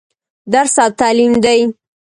درس او تعليم دى.